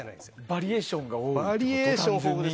バリエーション豊富に。